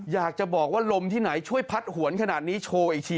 อยากจะบอกว่าลมที่ไหนช่วยพัดหวนขนาดนี้